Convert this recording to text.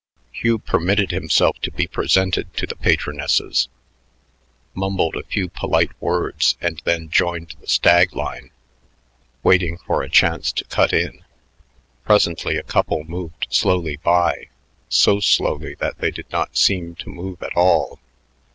Hugh permitted himself to be presented to the patronesses, mumbled a few polite words, and then joined the stag line, waiting for a chance to cut in. Presently a couple moved slowly by, so slowly that they did not seem to move at all.